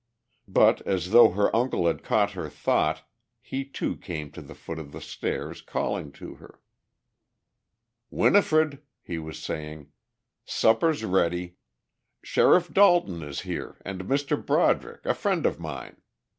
But as though her uncle had caught her thought he too came to the foot of the stairs, calling to her. "Winifred," he was saying, "supper's ready. Sheriff Dalton is here, and Mr. Broderick, a friend of mine.